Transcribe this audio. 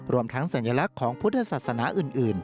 รวมทั้งสัญลักษณ์ของพุทธศาสนาอื่น